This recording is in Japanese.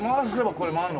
これ回るの？